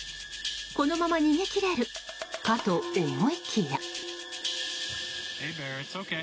このまま逃げ切れるかと思いきや。